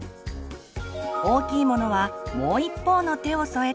大きいものはもう一方の手を添えて。